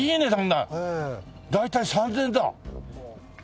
大体３０００円だ。